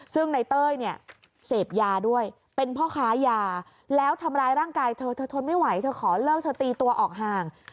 ซึ่งในเต้ยเนี่ยเสพยาด้วยเป็นพ่อค้ายาแล้วทำร้ายร่างกายเธอเธอทนไม่ไหวเธอขอเลิกเธอตีตัวออกห่าง